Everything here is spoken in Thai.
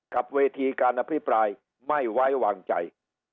กับเวทีการอภิปรายไม่ไว้วางใจ